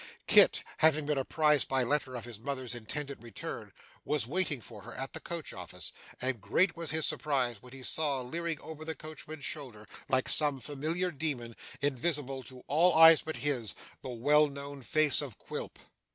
Kit, having been apprised by letter of his mother's intended return, was waiting for her at the coach office; and great was his surprise when he saw, leering over the coachman's shoulder like some familiar demon, invisible to all eyes but his, the well known face of Quilp.